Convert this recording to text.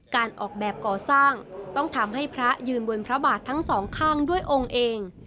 การออกแบบก่อสร้างต้องทำให้พระยืนบนพระบาททั้งสองข้างด้วยองค์เอง